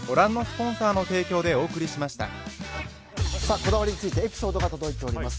こだわりについてエピソードが届いております。